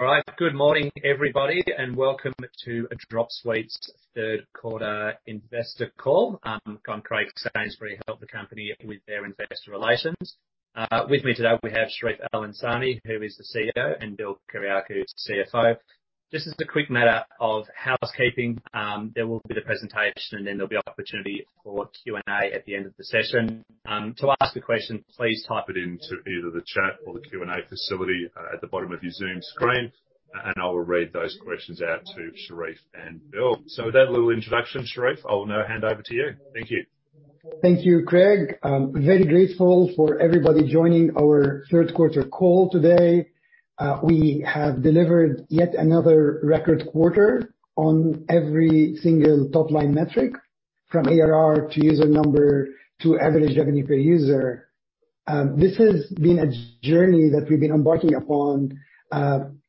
All right. Good morning, everybody, and welcome to Dropsuite's third quarter investor call. I'm Craig Sainsbury, help the company with their investor relations. With me today, we have Charif El-Ansari, who is the CEO, and Bill Kyriacou, CFO. Just as a quick matter of housekeeping, there will be the presentation, and then there'll be opportunity for Q&A at the end of the session. To ask the question, please type it into either the chat or the Q&A facility at the bottom of your Zoom screen, and I will read those questions out to Charif and Bill. With that little introduction, Charif, I will now hand over to you. Thank you. Thank you, Craig. Very grateful for everybody joining our third quarter call today. We have delivered yet another record quarter on every single top-line metric, from ARR to user number to average revenue per user. This has been a journey that we've been embarking upon,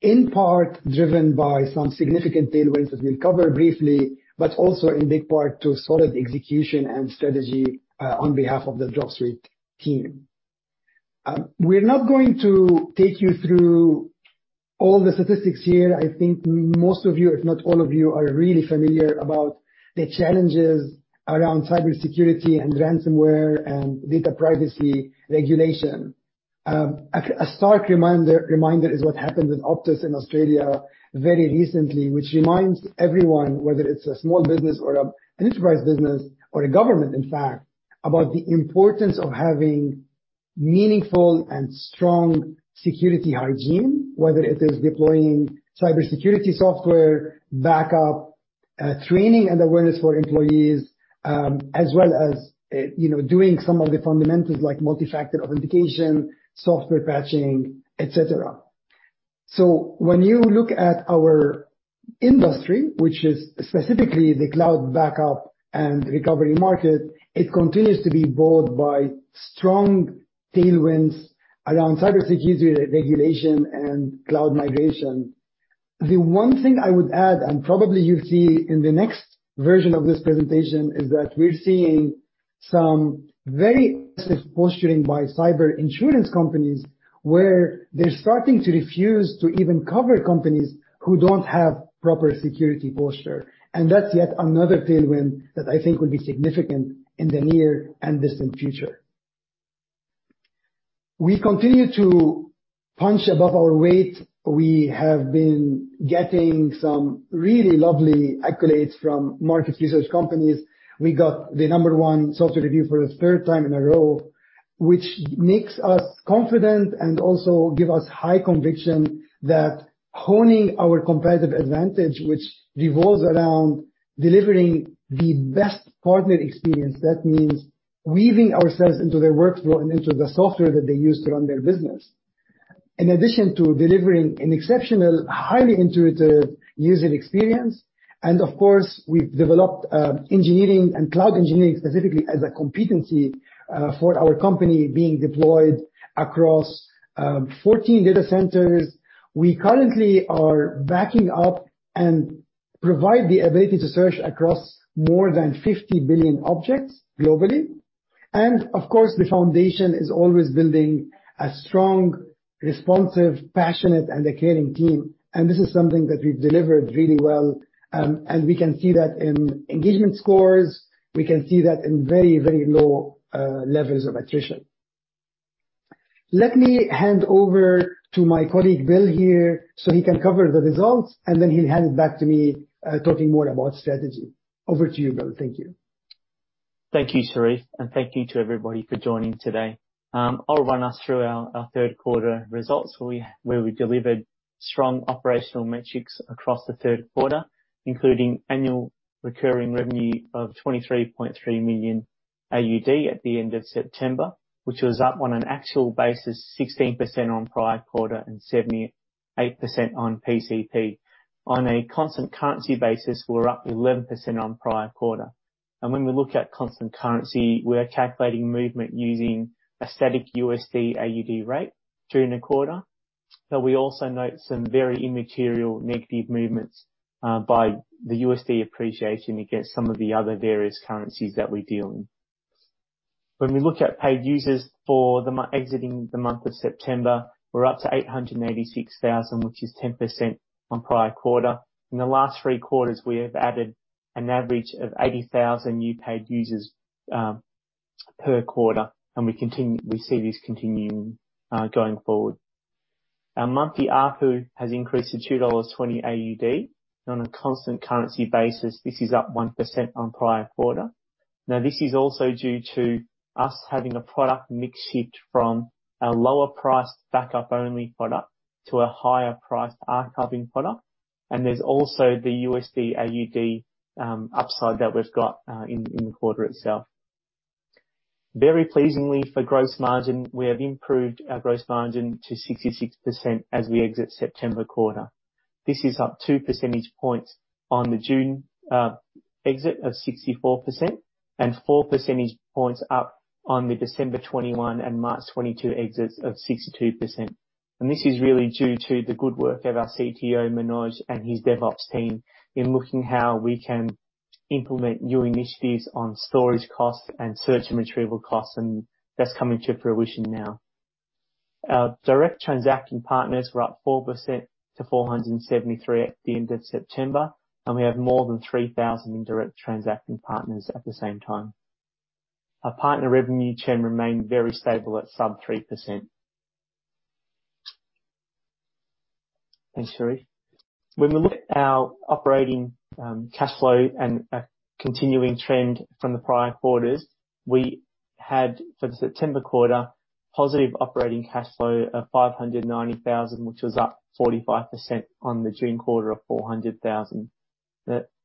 in part driven by some significant tailwinds that we'll cover briefly, but also in big part to solid execution and strategy, on behalf of the Dropsuite team. We're not going to take you through all the statistics here. I think most of you, if not all of you, are really familiar about the challenges around cybersecurity and ransomware and data privacy regulation. A stark reminder is what happened with Optus in Australia very recently, which reminds everyone, whether it's a small business or an enterprise business or a government, in fact, about the importance of having meaningful and strong security hygiene, whether it is deploying cybersecurity software, backup, training and awareness for employees, as well as, you know, doing some of the fundamentals like multi-factor authentication, software patching, et cetera. When you look at our industry, which is specifically the cloud backup and recovery market, it continues to be buoyed by strong tailwinds around cybersecurity regulation and cloud migration. The one thing I would add, and probably you'll see in the next version of this presentation, is that we're seeing some very posturing by cyber insurance companies, where they're starting to refuse to even cover companies who don't have proper security posture. That's yet another tailwind that I think will be significant in the near and distant future. We continue to punch above our weight. We have been getting some really lovely accolades from market research companies. We got the number one software review for the third time in a row, which makes us confident and also give us high conviction that honing our competitive advantage, which revolves around delivering the best partner experience. That means weaving ourselves into their workflow and into the software that they use to run their business. In addition to delivering an exceptional, highly intuitive user experience, and of course, we've developed engineering and cloud engineering specifically as a competency for our company being deployed across 14 data centers. We currently are backing up and provide the ability to search across more than 50 billion objects globally. Of course, the foundation is always building a strong, responsive, passionate, and a caring team. This is something that we've delivered really well, and we can see that in engagement scores. We can see that in very, very low levels of attrition. Let me hand over to my colleague, Bill, here, so he can cover the results, and then he'll hand it back to me, talking more about strategy. Over to you, Bill. Thank you. Thank you, Charif, and thank you to everybody for joining today. I'll run us through our third quarter results where we delivered strong operational metrics across the third quarter, including annual recurring revenue of 23.3 million AUD at the end of September, which was up on an actual basis 16% on prior quarter and 78% on PCP. On a constant currency basis, we're up 11% on prior quarter. When we look at constant currency, we're calculating movement using a static USD/AUD rate during the quarter. We also note some very immaterial negative movements by the USD appreciation against some of the other various currencies that we deal in. When we look at paid users exiting the month of September, we're up to 886,000, which is 10% on prior quarter. In the last three quarters, we have added an average of 80,000 new paid users per quarter, and we see this continuing going forward. Our monthly ARPU has increased to 2.20 AUD. On a constant currency basis, this is up 1% on prior quarter. Now, this is also due to us having a product mix shift from a lower priced backup only product to a higher priced archiving product. There's also the USD/AUD upside that we've got in the quarter itself. Very pleasingly for gross margin, we have improved our gross margin to 66% as we exit September quarter. This is up 2 percentage points on the June exit of 64% and four percentage points up on the December 2021 and March 2022 exits of 62%. This is really due to the good work of our CTO, Manoj, and his DevOps team in looking how we can implement new initiatives on storage costs and search and retrieval costs, and that's coming to fruition now. Our direct transaction partners were up 4% to 473 at the end of September, and we have more than 3,000 indirect transacting partners at the same time. Our partner revenue churn remained very stable at sub-3%. Thanks, Charif. When we look at our operating cash flow and a continuing trend from the prior quarters, we had, for the September quarter, positive operating cash flow of 590,000, which was up 45% on the June quarter of 400,000.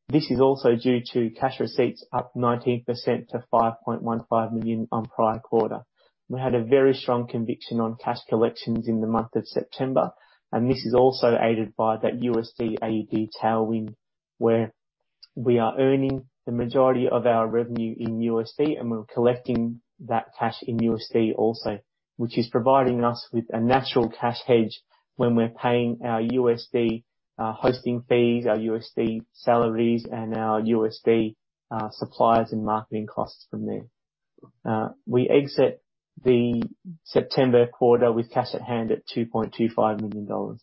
This is also due to cash receipts up 19% to 5.15 million on prior quarter. We had a very strong conviction on cash collections in the month of September, and this is also aided by that USD/AUD tailwind, where we are earning the majority of our revenue in USD and we're collecting that cash in USD also. Which is providing us with a natural cash hedge when we're paying our USD hosting fees, our USD salaries, and our USD suppliers and marketing costs from there. We exit the September quarter with cash at hand at $2.25 million.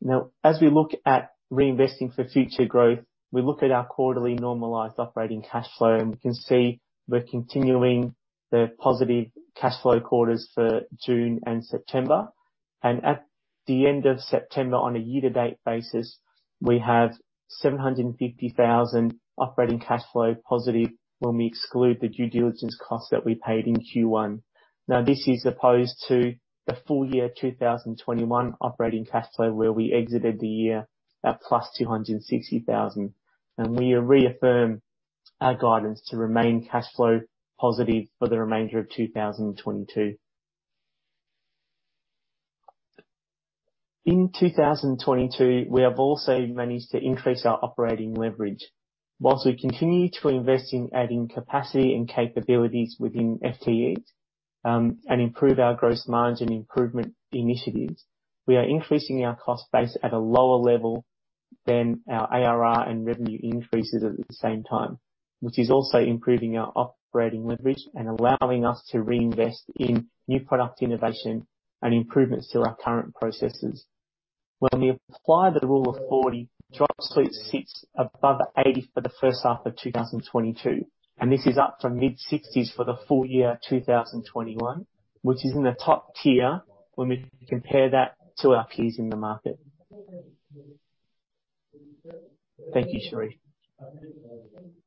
Now, as we look at reinvesting for future growth, we look at our quarterly normalized operating cash flow, and we can see we're continuing the positive cash flow quarters for June and September. At the end of September, on a year-to-date basis, we have 750,000 operating cash flow positive when we exclude the due diligence costs that we paid in Q1. Now, this is opposed to the full year 2021 operating cash flow, where we exited the year at +260,000. We reaffirm our guidance to remain cash flow positive for the remainder of 2022. In 2022, we have also managed to increase our operating leverage. Whilst we continue to invest in adding capacity and capabilities within FTEs, and improve our gross margin improvement initiatives, we are increasing our cost base at a lower level than our ARR and revenue increases at the same time. Which is also improving our operating leverage and allowing us to reinvest in new product innovation and improvements to our current processes. When we apply the Rule of 40, Dropsuite sits above 80 for the first half of 2022, and this is up from mid-60s for the full year 2021, which is in the top tier when we compare that to our peers in the market. Thank you, Charif.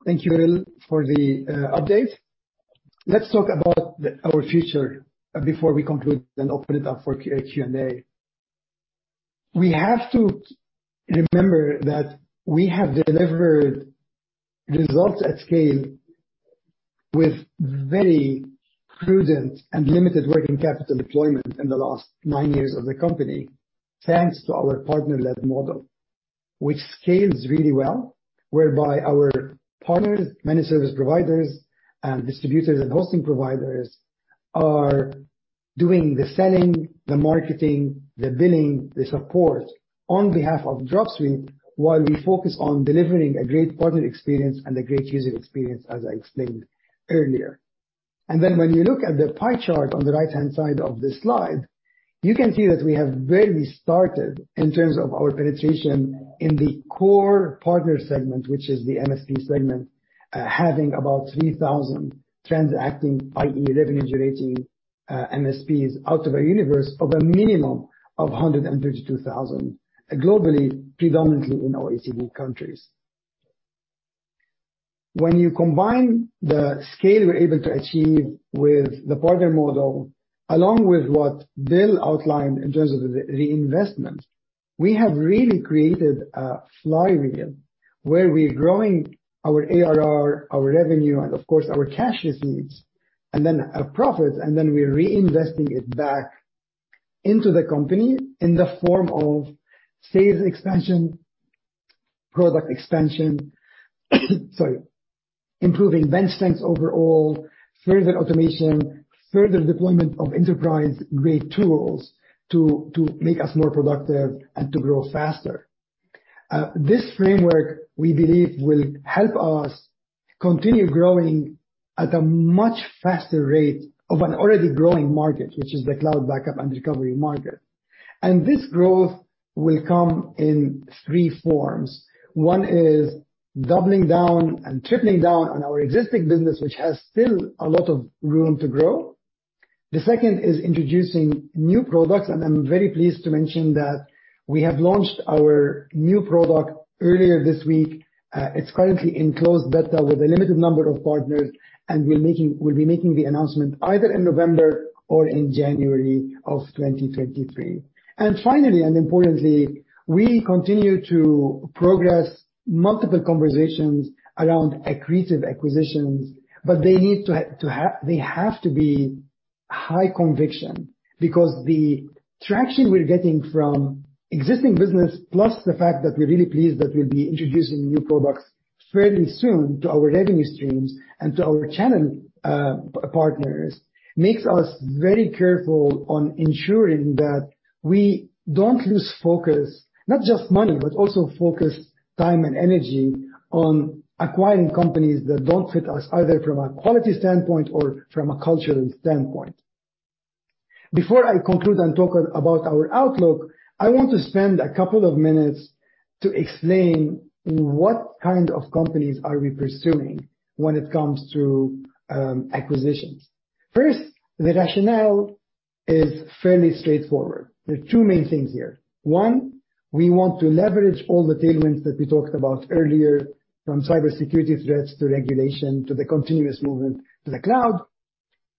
Thank you, Bill, for the update. Let's talk about our future before we conclude, then open it up for Q&A. We have to remember that we have delivered results at scale with very prudent and limited working capital deployment in the last nine years of the company, thanks to our partner-led model. Which scales really well, whereby our partners, managed service providers and distributors and hosting providers, are doing the selling, the marketing, the billing, the support on behalf of Dropsuite, while we focus on delivering a great partner experience and a great user experience, as I explained earlier. When you look at the pie chart on the right-hand side of the slide, you can see that we have barely started in terms of our penetration in the core partner segment, which is the MSP segment, having about 3,000 transacting, i.e., revenue generating, MSPs out of a universe of a minimum of 132,000, globally, predominantly in OECD countries. When you combine the scale we're able to achieve with the partner model, along with what Bill outlined in terms of the reinvestment, we have really created a flywheel, where we're growing our ARR, our revenue, and of course, our cash receipts, and then our profits, and then we're reinvesting it back into the company in the form of sales expansion, product expansion, sorry, improving bench strengths overall, further automation, further deployment of enterprise-grade tools to make us more productive and to grow faster. This framework, we believe, will help us continue growing at a much faster rate of an already growing market, which is the cloud backup and recovery market. This growth will come in three forms. One is doubling down and tripling down on our existing business, which has still a lot of room to grow. The second is introducing new products, and I'm very pleased to mention that we have launched our new product earlier this week. It's currently in closed beta with a limited number of partners, and we'll be making the announcement either in November or in January of 2023. Finally, and importantly, we continue to progress multiple conversations around accretive acquisitions. They have to be high conviction. Because the traction we're getting from existing business, plus the fact that we're really pleased that we'll be introducing new products fairly soon to our revenue streams and to our channel partners makes us very careful on ensuring that we don't lose focus, not just money, but also focus time and energy on acquiring companies that don't fit us, either from a quality standpoint or from a cultural standpoint. Before I conclude and talk about our outlook, I want to spend a couple of minutes to explain what kind of companies are we pursuing when it comes to acquisitions. First, the rationale is fairly straightforward. There are two main things here. One, we want to leverage all the tailwinds that we talked about earlier from cybersecurity threats to regulation to the continuous movement to the cloud.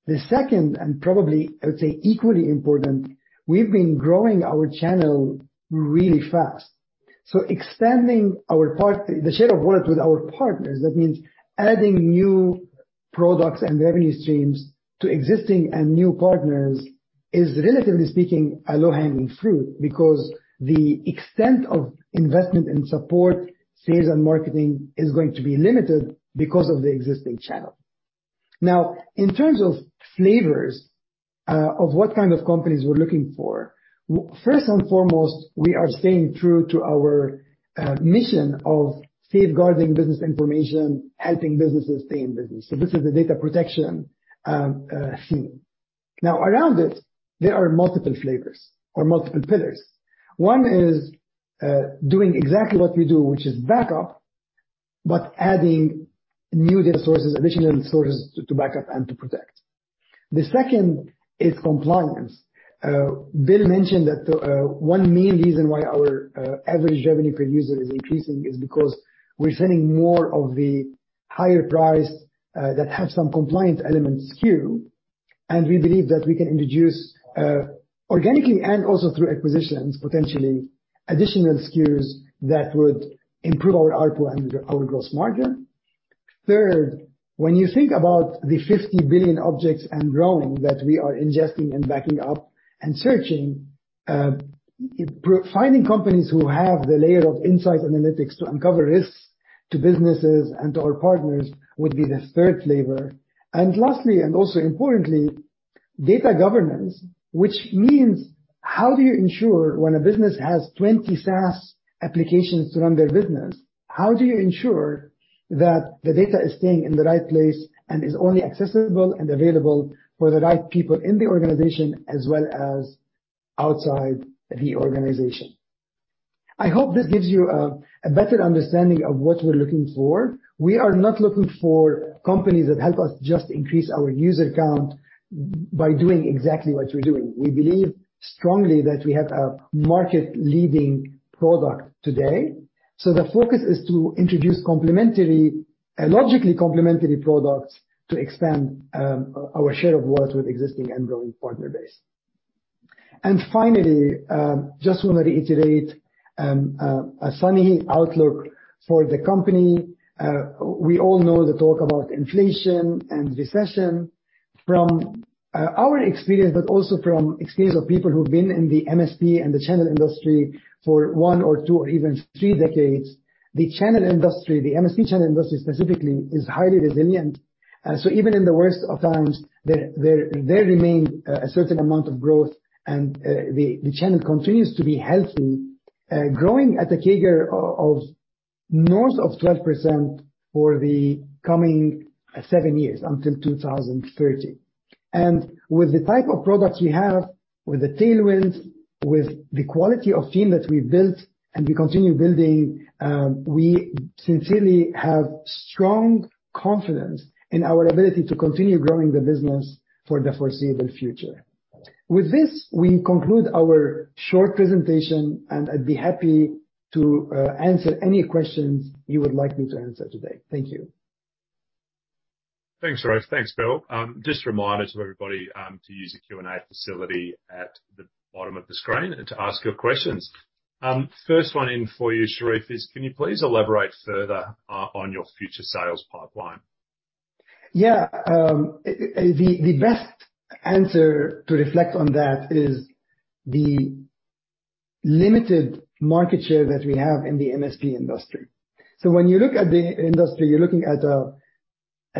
The second, and probably I would say equally important, we've been growing our channel really fast. Extending the share of work with our partners, that means adding new products and revenue streams to existing and new partners, is, relatively speaking, a low-hanging fruit because the extent of investment and support, sales and marketing is going to be limited because of the existing channel. Now, in terms of flavors of what kind of companies we're looking for, first and foremost, we are staying true to our mission of safeguarding business information, helping businesses stay in business. This is the data protection theme. Now, around it, there are multiple flavors or multiple pillars. One is doing exactly what we do, which is backup, but adding new data sources, additional sources to backup and to protect. The second is compliance. Bill mentioned that one main reason why our average revenue per user is increasing is because we're sending more of the higher priced that have some compliance elements SKU, and we believe that we can introduce organically and also through acquisitions, potentially additional SKUs that would improve our ARPU and our gross margin. Third, when you think about the 50 billion objects and growing that we are ingesting and backing up and searching, providing companies who have the layer of insight analytics to uncover risks to businesses and to our partners would be the third flavor. Lastly, and also importantly, data governance, which means how do you ensure when a business has 20 SaaS applications to run their business, how do you ensure that the data is staying in the right place and is only accessible and available for the right people in the organization as well as outside the organization? I hope this gives you a better understanding of what we're looking for. We are not looking for companies that help us just increase our user count by doing exactly what we're doing. We believe strongly that we have a market-leading product today. The focus is to introduce logically complementary products to expand our share of work with existing and growing partner base. Finally, just wanna reiterate a sunny outlook for the company. We all know the talk about inflation and recession. From our experience, but also from experience of people who've been in the MSP and the channel industry for one or two or even three decades, the channel industry, the MSP channel industry specifically, is highly resilient. Even in the worst of times, there remains a certain amount of growth, and the channel continues to be healthy, growing at a CAGR of north of 12% for the coming seven years until 2030. With the type of products we have, with the tailwinds, with the quality of team that we've built and we continue building, we sincerely have strong confidence in our ability to continue growing the business for the foreseeable future. With this, we conclude our short presentation, and I'd be happy to answer any questions you would like me to answer today. Thank you. Thanks, Charif. Thanks, Bill. Just a reminder to everybody to use the Q&A facility at the bottom of the screen and to ask your questions. First one in for you, Charif, is can you please elaborate further on your future sales pipeline? Yeah. The best answer to reflect on that is the limited market share that we have in the MSP industry. When you look at the industry, you're looking at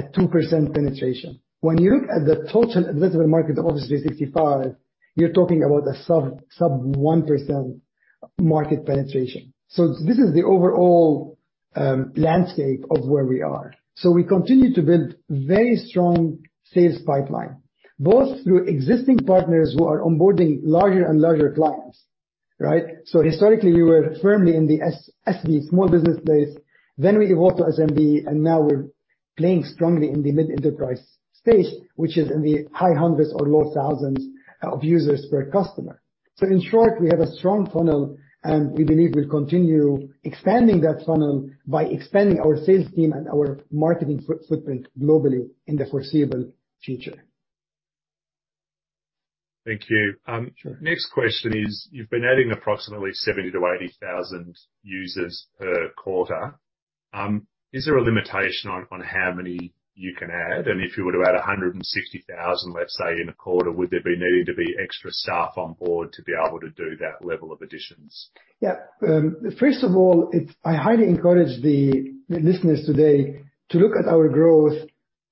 2% penetration. When you look at the total available market of Office 365, you're talking about a sub-1% market penetration. This is the overall landscape of where we are. We continue to build very strong sales pipeline, both through existing partners who are onboarding larger and larger clients, right? Historically, we were firmly in the SMB, small business space. Then we evolved to SMB, and now we're playing strongly in the mid-enterprise space, which is in the high hundreds or low thousands of users per customer. In short, we have a strong funnel, and we believe we'll continue expanding that funnel by expanding our sales team and our marketing footprint globally in the foreseeable future. Thank you. Sure. Next question is, you've been adding approximately 70,000-80,000 users per quarter. Is there a limitation on how many you can add? If you were to add 160,000, let's say in a quarter, would there be needing to be extra staff on board to be able to do that level of additions? Yeah. First of all, I highly encourage the listeners today to look at our growth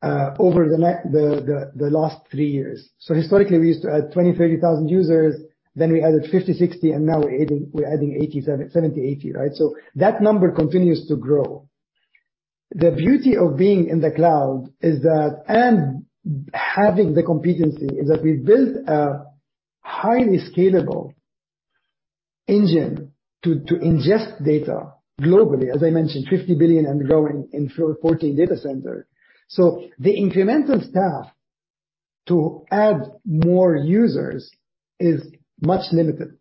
over the last three years. Historically, we used to add 20,000-30,000 users, then we added 50,000-60,000, and now we're adding 70,000-80,000, right? That number continues to grow. The beauty of being in the cloud is that, and having the competency, is that we've built a highly scalable engine to ingest data globally. As I mentioned, 50 billion and growing in 14 data centers. The incremental staff to add more users is much limited.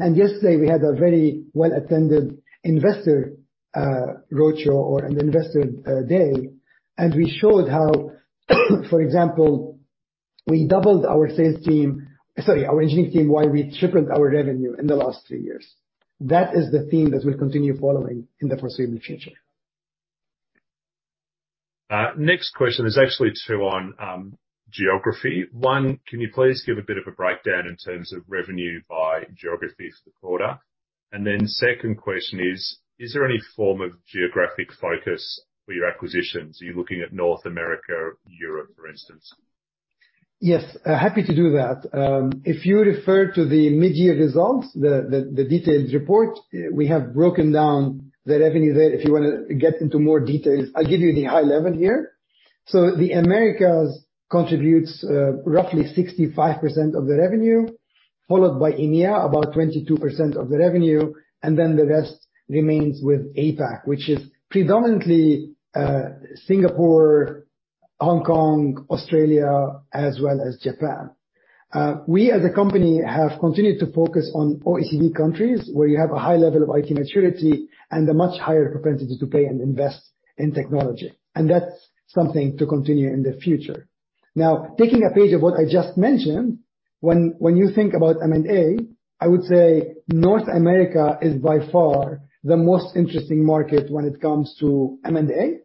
Yesterday we had a very well-attended investor roadshow or an investor day, and we showed how for example, we doubled our sales team, sorry, our engineering team, while we tripled our revenue in the last 3 years. That is the theme that we'll continue following in the foreseeable future. Next question. There's actually two on geography. One, can you please give a bit of a breakdown in terms of revenue by geography for the quarter? Second question is there any form of geographic focus for your acquisitions? Are you looking at North America, Europe, for instance? Yes, happy to do that. If you refer to the mid-year results, the detailed report, we have broken down the revenue there. If you wanna get into more details, I'll give you the high level here. The Americas contributes roughly 65% of the revenue, followed by EMEA, about 22% of the revenue, and then the rest remains with APAC, which is predominantly Singapore, Hong Kong, Australia, as well as Japan. We as a company have continued to focus on OECD countries, where you have a high level of IT maturity and a much higher propensity to pay and invest in technology. That's something to continue in the future. Taking a page from what I just mentioned, when you think about M&A, I would say North America is by far the most interesting market when it comes to M&A,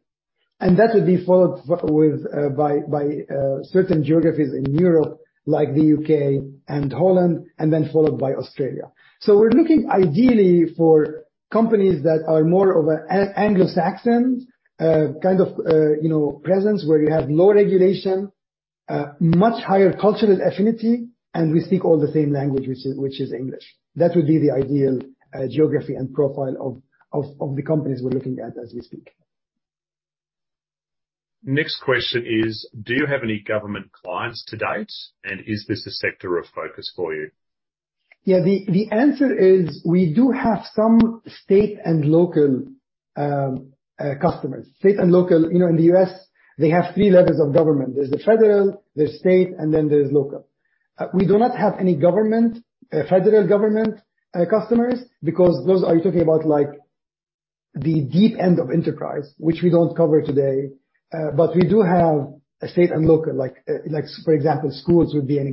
and that would be followed by certain geographies in Europe, like the U.K. and Holland, and then followed by Australia. We're looking ideally for companies that are more of an Anglo-Saxon kind of, you know, presence, where you have low regulation, much higher cultural affinity, and we speak all the same language, which is English. That would be the ideal geography and profile of the companies we're looking at as we speak. Next question is, do you have any government clients to date, and is this a sector of focus for you? Yeah. The answer is we do have some state and local customers. State and local, you know, in the US, they have three levels of government. There's the federal, there's state, and then there's local. We do not have any federal government customers, because those are what you're talking about, like, the deep end of enterprise, which we don't cover today. But we do have state and local, like, for example, public schools would be an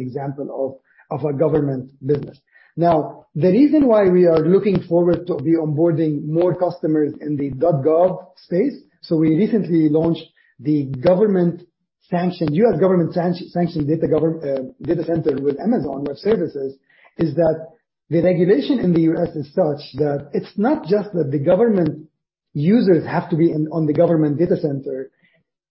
example of a government business. Now, the reason why we are looking forward to be onboarding more customers in the .gov space, so we recently launched the government-sanctioned, U.S. government-sanctioned data center with Amazon Web Services, is that the regulation in the U.S. is such that it's not just that the government users have to be in, on the government data center.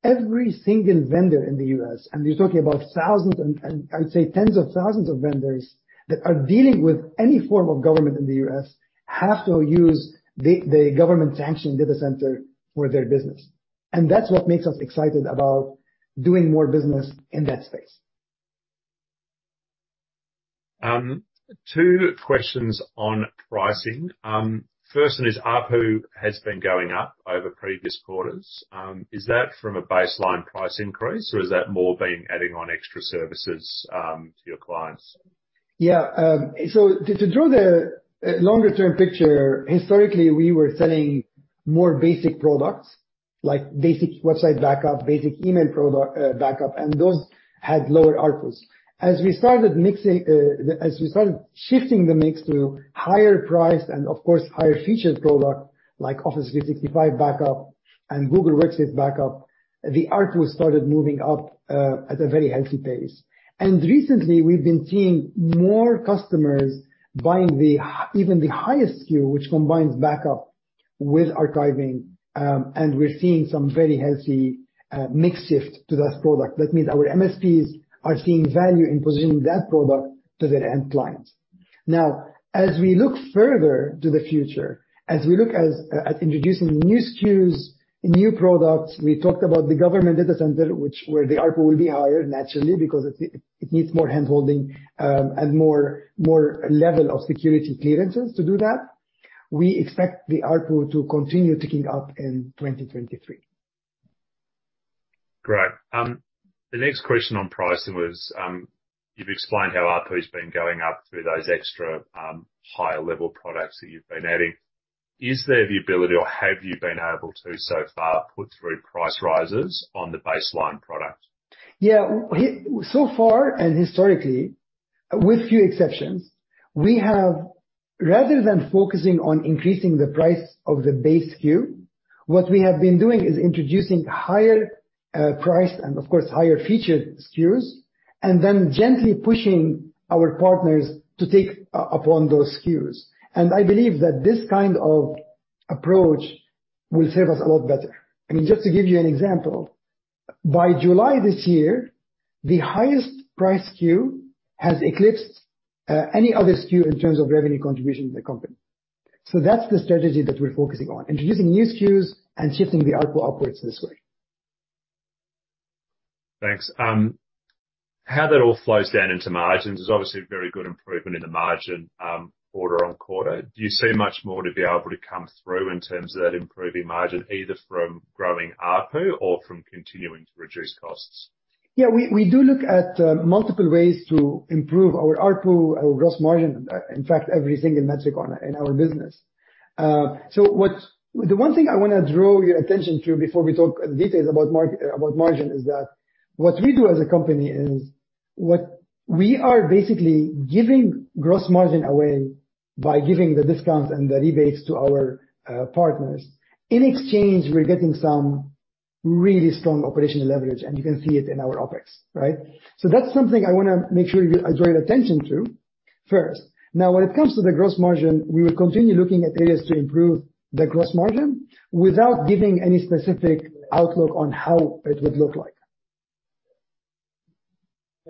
Every single vendor in the U.S., and you're talking about thousands and I would say tens of thousands of vendors that are dealing with any form of government in the U.S., have to use the government-sanctioned data center for their business. That's what makes us excited about doing more business in that space. Two questions on pricing. First one is, ARPU has been going up over previous quarters. Is that from a baseline price increase, or has that more been adding on extra services, to your clients? Yeah. To draw the longer-term picture, historically, we were selling more basic products, like basic website backup, basic email product backup, and those had lower ARPUs. As we started shifting the mix to higher priced and, of course, higher featured product like Office 365 backup and Google Workspace backup, the ARPU started moving up at a very healthy pace. Recently we've been seeing more customers buying even the highest SKU, which combines backup with archiving, and we're seeing some very healthy mix shift to that product. That means our MSPs are seeing value in positioning that product to their end clients. Now, as we look further to the future, at introducing new SKUs and new products, we talked about the government data center, where the ARPU will be higher naturally because it needs more hand-holding and more level of security clearances to do that. We expect the ARPU to continue ticking up in 2023. Great. The next question on pricing was, you've explained how ARPU's been going up through those extra, higher level products that you've been adding. Is there the ability or have you been able to so far put through price rises on the baseline products? So far and historically, with few exceptions, we have, rather than focusing on increasing the price of the base SKU, what we have been doing is introducing higher price and of course, higher featured SKUs, and then gently pushing our partners to take upon those SKUs.I believe that this kind of approach will serve us a lot better. I mean, just to give you an example, by July this year, the highest price SKU has eclipsed any other SKU in terms of revenue contribution to the company. That's the strategy that we're focusing on, introducing new SKUs and shifting the ARPU upwards this way. Thanks. How that all flows down into margins is obviously a very good improvement in the margin, quarter-over-quarter. Do you see much more to be able to come through in terms of that improving margin, either from growing ARPU or from continuing to reduce costs? Yeah, we do look at multiple ways to improve our ARPU, our gross margin, in fact, every single metric in our business. The one thing I wanna draw your attention to before we talk details about margin is that what we do as a company is what we are basically giving gross margin away by giving the discounts and the rebates to our partners. In exchange, we're getting some really strong operational leverage, and you can see it in our OpEx, right? That's something I wanna make sure you draw your attention to first. Now, when it comes to the gross margin, we will continue looking at areas to improve the gross margin without giving any specific outlook on how it would look like.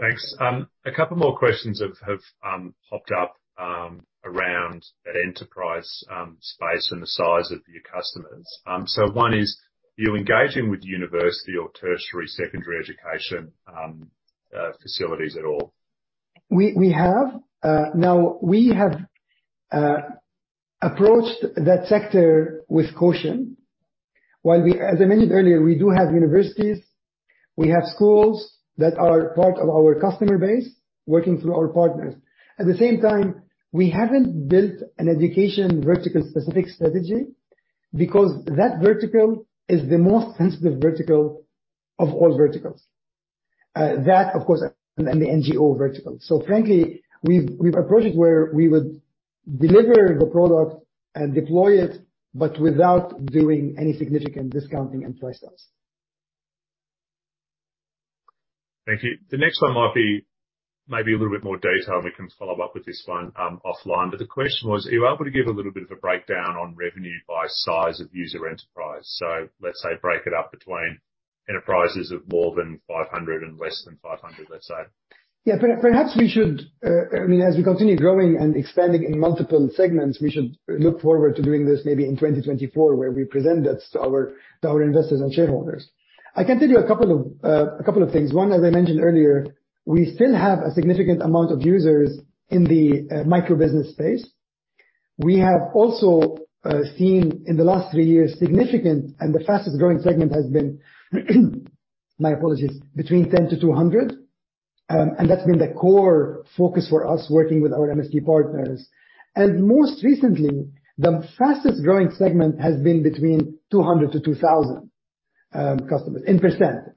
Thanks. A couple more questions have popped up around that enterprise space and the size of your customers. One is, are you engaging with university or tertiary, secondary education facilities at all? We have now approached that sector with caution. While, as I mentioned earlier, we do have universities, we have schools that are part of our customer base working through our partners. At the same time, we haven't built an education vertical specific strategy because that vertical is the most sensitive vertical of all verticals, that of course, and the NGO vertical. Frankly, we've approached it where we would deliver the product and deploy it, but without doing any significant discounting and price cuts. Thank you. The next one might be maybe a little bit more detailed, and we can follow up with this one, offline. The question was, are you able to give a little bit of a breakdown on revenue by size of user enterprise? Let's say break it up between enterprises of more than 500 and less than 500, let's say. Perhaps we should, I mean, as we continue growing and expanding in multiple segments, we should look forward to doing this maybe in 2024, where we present that to our investors and shareholders. I can tell you a couple of things. One, as I mentioned earlier, we still have a significant amount of users in the micro business space. We have also seen in the last three years significant and the fastest-growing segment has been between 10-200. And that's been the core focus for us working with our MSP partners. Most recently, the fastest-growing segment has been between 200-2,000 customers in percent. I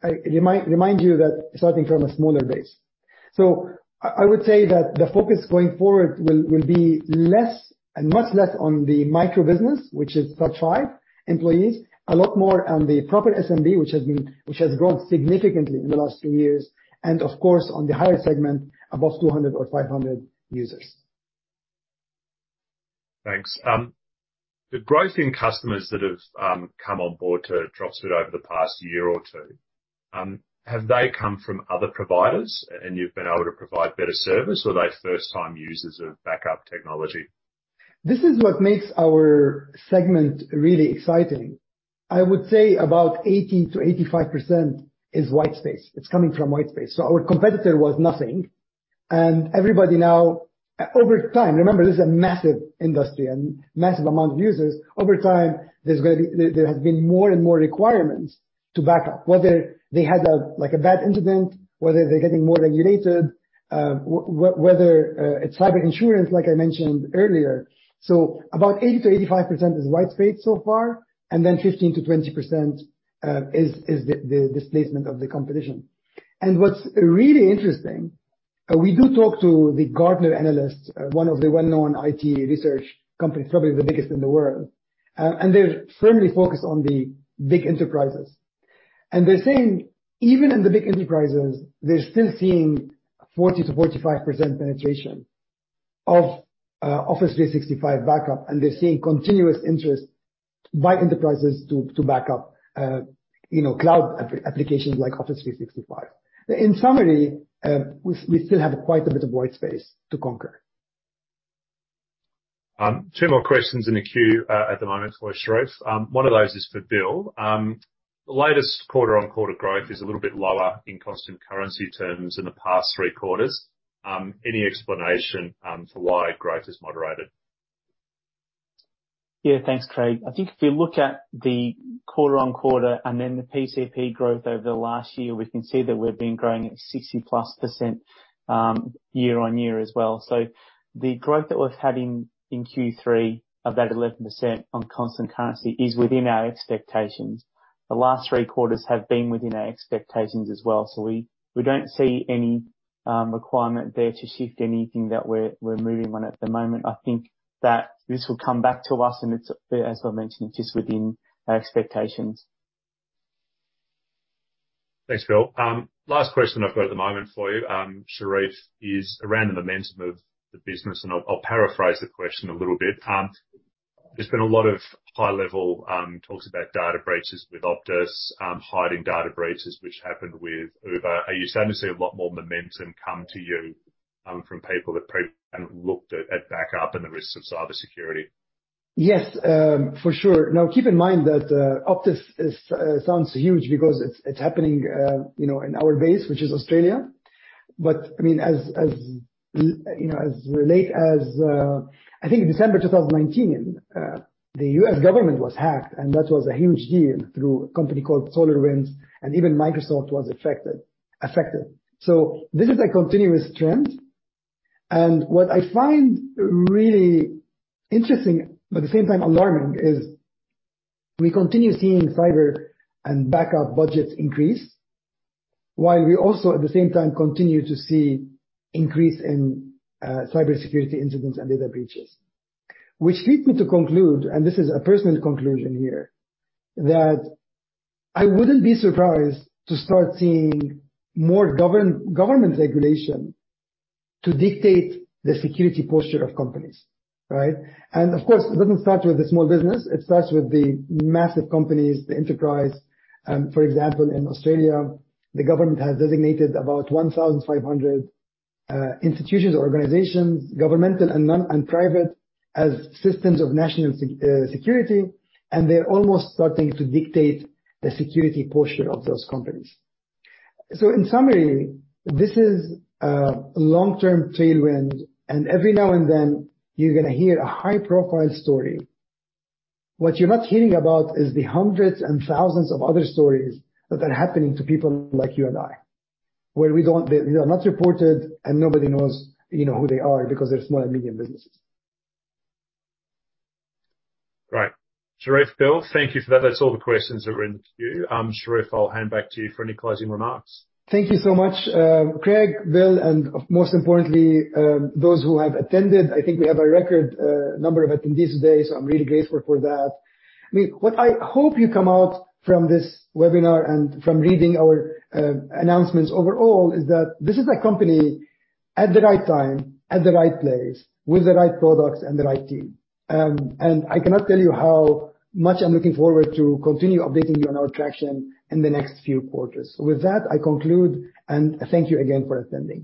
remind you that starting from a smaller base. I would say that the focus going forward will be less and much less on the micro business, which is such 5 employees, a lot more on the proper SMB, which has grown significantly in the last two years, and of course, on the higher segment, above 200 or 500 users. Thanks. The growth in customers that have come on board to Dropsuite over the past year or two, have they come from other providers and you've been able to provide better service, or are they first-time users of backup technology? This is what makes our segment really exciting. I would say about 80%-85% is white space. It's coming from white space. Our competitor was nothing, and everybody now, over time, remember, this is a massive industry and massive amount of users. Over time, there has been more and more requirements to back up. Whether they had a, like a bad incident, whether they're getting more regulated, whether it's cyber insurance, like I mentioned earlier. About 80%-85% is white space so far, and then 15%-20% is the displacement of the competition. What's really interesting, we do talk to the Gartner analysts, one of the well-known IT research companies, probably the biggest in the world. They're firmly focused on the big enterprises. They're saying even in the big enterprises, they're still seeing 40%-45% penetration of Office 365 backup, and they're seeing continuous interest by enterprises to back up, you know, cloud applications like Office 365. In summary, we still have quite a bit of white space to conquer. Two more questions in the queue at the moment for Charif. One of those is for Bill. The latest quarter-on-quarter growth is a little bit lower in constant currency terms in the past three quarters. Any explanation for why growth has moderated? Yeah. Thanks, Craig. I think if you look at the quarter-on-quarter and then the PCP growth over the last year, we can see that we've been growing at 60%+ year-on-year as well. The growth that we've had in Q3 of that 11% on constant currency is within our expectations. The last three quarters have been within our expectations as well. We don't see any requirement there to shift anything that we're moving on at the moment. I think that this will come back to us, and it's, as I mentioned, just within our expectations. Thanks, Phil. Last question I've got at the moment for you, Charif, is around the momentum of the business, and I'll paraphrase the question a little bit. There's been a lot of high-level talks about data breaches with Optus, hiding data breaches which happened with Uber. Are you starting to see a lot more momentum come to you, from people that probably haven't looked at backup and the risks of cybersecurity? Yes, for sure. Now, keep in mind that, Optus sounds huge because it's happening, you know, in our backyard, which is Australia. I mean, as you know, as late as, I think in December 2019, the U.S. government was hacked, and that was a huge deal through a company called SolarWinds, and even Microsoft was affected. This is a continuous trend. What I find really interesting, but at the same time alarming, is we continue seeing cyber and backup budgets increase, while we also, at the same time, continue to see increase in, cybersecurity incidents and data breaches. Which leads me to conclude, and this is a personal conclusion here, that I wouldn't be surprised to start seeing more government regulation to dictate the security posture of companies, right? Of course, it doesn't start with the small business. It starts with the massive companies, the enterprise. For example, in Australia, the government has designated about 1,500 institutions or organizations, governmental and non, and private, as systems of national security, and they're almost starting to dictate the security posture of those companies. In summary, this is a long-term tailwind, and every now and then you're gonna hear a high-profile story. What you're not hearing about is the hundreds and thousands of other stories that are happening to people like you and I, where they are not reported and nobody knows, you know, who they are because they're small and medium businesses. Great. Charif, Bill, thank you for that. That's all the questions that were in the queue. Charif, I'll hand back to you for any closing remarks. Thank you so much, Craig, Bill, and most importantly, those who have attended. I think we have a record number of attendees today, so I'm really grateful for that. I mean, what I hope you come out from this webinar and from reading our announcements overall is that this is a company at the right time, at the right place, with the right products and the right team. I cannot tell you how much I'm looking forward to continue updating you on our traction in the next few quarters. With that, I conclude, and thank you again for attending.